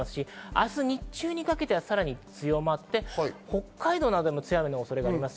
明日、日中にかけてはさらに強まって北海道などでも強い雨の恐れがあります。